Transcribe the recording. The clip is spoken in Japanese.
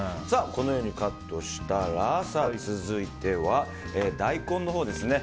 このようにカットしたら続いては大根です。